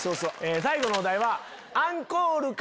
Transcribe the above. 最後のお題。